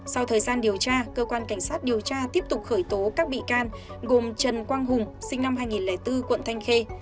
sau thời gian điều tra cơ quan cảnh sát điều tra tiếp tục khởi tố các bị can gồm trần quang hùng sinh năm hai nghìn bốn quận thanh khê